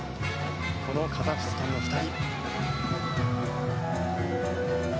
このカザフスタンの２人。